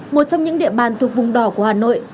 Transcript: một trong những địa bàn thuộc vùng đỏ của hà nội